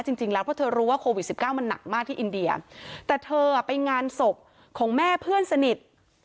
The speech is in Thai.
จริงแล้วเพราะเธอรู้ว่าโควิดสิบเก้ามันหนักมากที่อินเดียแต่เธอไปงานศพของแม่เพื่อนสนิท